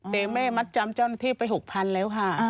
แต่แม่มัดจำเจ้าหน้าที่ไป๖๐๐๐แล้วค่ะ